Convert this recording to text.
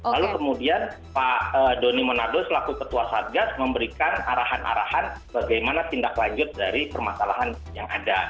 lalu kemudian pak doni monardo selaku ketua satgas memberikan arahan arahan bagaimana tindak lanjut dari permasalahan yang ada